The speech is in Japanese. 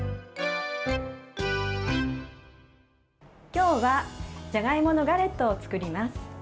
今日はじゃがいものガレットを作ります。